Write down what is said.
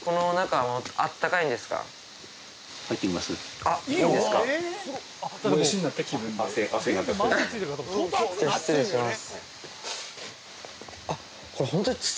はい失礼します